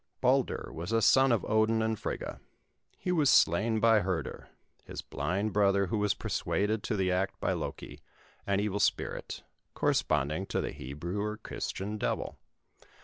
Baldur was a son of Odin and Frigga. He was slain by Hörder, his blind brother, who was persuaded to the act by Loké, an evil spirit, corresponding to the Hebrew or Christian devil.